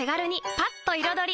パッと彩り！